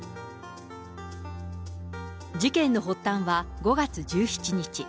事件の発端は５月１７日。